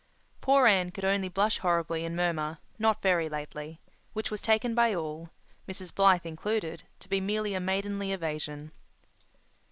Poor Anne could only blush horribly and murmur, "not very lately," which was taken by all, Mrs. Blythe included, to be merely a maidenly evasion.